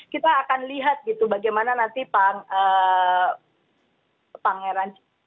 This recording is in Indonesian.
kita akan lihat gitu bagaimana nanti pangeran charles